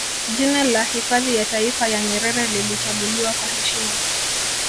Jina la Hifadhi ya Taifa ya Nyerere lilichaguliwa kwa heshima